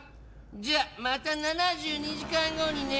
じゃあまた７２時間後にね。